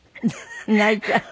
泣いちゃう？